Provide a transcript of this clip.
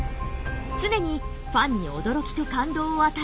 常にファンに驚きと感動を与えてきた。